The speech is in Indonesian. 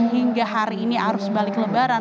hingga hari ini arus balik lebaran